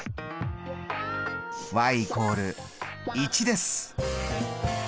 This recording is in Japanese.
＝１です。